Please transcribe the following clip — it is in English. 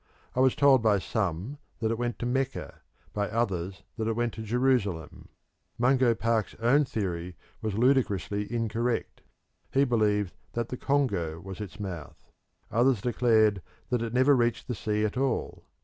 I was told by some that it went to Mecca, by others that it went to Jerusalem. Mungo Park's own theory was ludicrously incorrect he believed that the Congo was its mouth. Others declared that it never reached the sea at all.